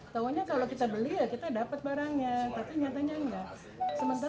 taunya kalau kita beli ya kita dapat barangnya tapi nyatanya enggak sementara